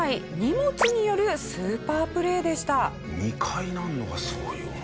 ２回なるのがすごいよな。